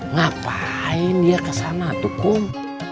ngapain dia kesana tuh kum